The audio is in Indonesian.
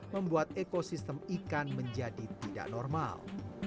membuat ekosistem ikan menjadi tidak normal